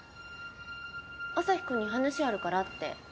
アサヒくんに話あるからって。